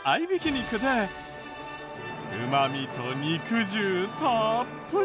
肉でうまみと肉汁たっぷり！